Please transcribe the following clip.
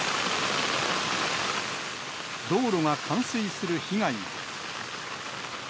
道路が冠水する被害も。